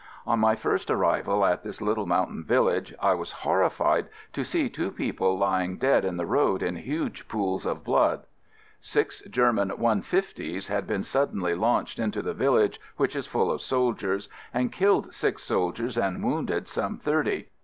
On my first arrival at this little mountain village I was horri fied to see two people lying dead in the road in huge pools of blood. Six German "150's" had been suddenly launched into the village which is full of soldiers, and killed six soldiers and wounded some thirty.